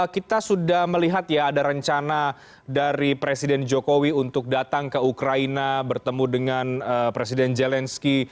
kita sudah melihat ya ada rencana dari presiden jokowi untuk datang ke ukraina bertemu dengan presiden zelensky